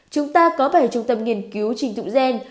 chúng ta có bảy trung tâm nghiên cứu trình thụng gen